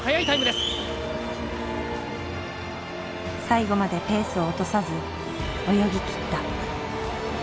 最後までペースを落とさず泳ぎ切った。